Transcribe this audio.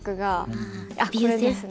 あっこれですね。